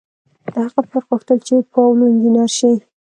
د هغه پلار غوښتل چې پاولو انجنیر شي.